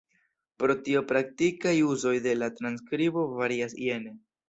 Pro tio, praktikaj uzoj de la transskribo varias jene.